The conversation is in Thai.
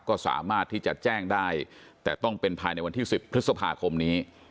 ก็สามารถที่จะแจ้งได้แต่ต้องเป็นภายในวันที่๑๐พฤษภาคมนี้